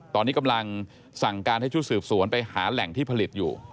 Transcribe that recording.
ตอนนี้กำลังสั่งการให้ชุดสืบสวนไปหาแหล่งที่ผลิตอยู่